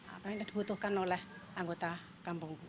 apa yang dibutuhkan oleh anggota kampung